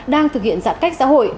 đang thực hiện giãn cách xã hội